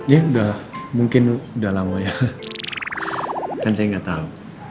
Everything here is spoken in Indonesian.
ya udah mungkin udah lama ya kan saya nggak tahu